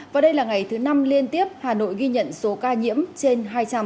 và đây là ngày thứ năm liên tiếp hà nội ghi nhận số ca nhiễm trên hai trăm linh ca